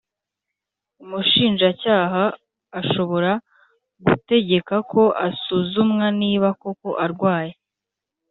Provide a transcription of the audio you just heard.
Umushinjacyaha ashobora gutegeka ko asuzumwa niba koko arwaye